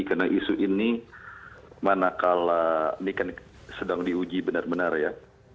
karena isu ini manakala ini kan sedang diuji benar benar ya